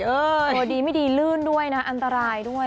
ตัวดีไม่ดีลื่นด้วยนะอันตรายด้วย